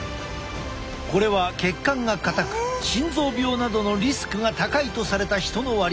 これは血管が硬く心臓病などのリスクが高いとされた人の割合だ。